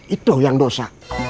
itu yang dosa